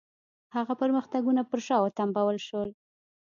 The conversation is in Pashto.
هغه پرمختګونه پر شا وتمبول شول.